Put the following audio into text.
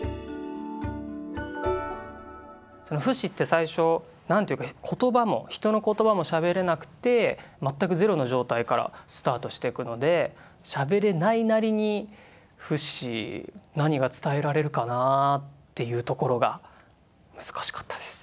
そのフシって最初なんていうか言葉も人の言葉もしゃべれなくてまったくゼロの状態からスタートしていくのでしゃべれないなりにフシ何が伝えられるかなっていうところが難しかったです。